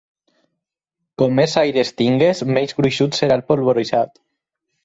Com més aire tingui menys gruixut serà el polvoritzat.